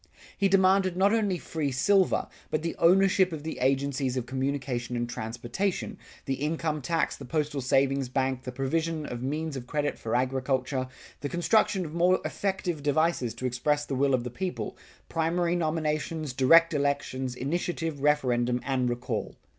He demanded not only free silver, but the ownership of the agencies of communication and transportation, the income tax, the postal savings bank, the provision of means of credit for agriculture, the construction of more effective devices to express the will of the people, primary nominations, direct elections, initiative, referendum and recall.